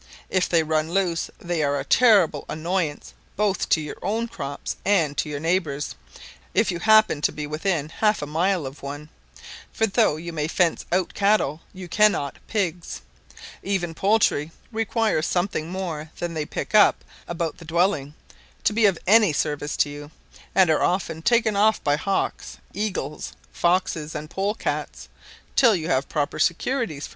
If they run loose they are a terrible annoyance both to your own crops and your neighbours if you happen to be within half a mile of one; for though you may fence out cattle you cannot pigs: even poultry require something more than they pick up about the dwelling to be of any service to you, and are often taken off by hawks, eagles, foxes, and pole cats, till you have proper securities for them."